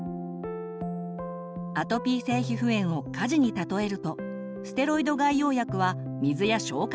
アトピー性皮膚炎を火事に例えるとステロイド外用薬は水や消火剤。